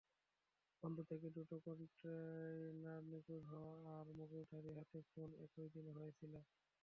বন্দর থেকে দুটো কন্টেইনার নিখোঁজ হওয়া আর মুখোশধারীর হাতে খুন একই দিনে হয়েছিল।